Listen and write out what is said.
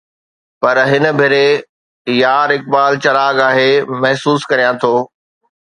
پر هن ڀيري يار اقبال چراغ آهي، محسوس ڪريان ٿو